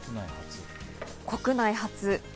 国内初。